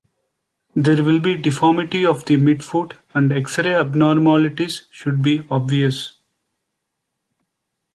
There will be deformity of the midfoot and X-ray abnormalities should be obvious.